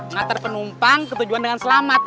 ngater penumpang ketujuan dengan selamat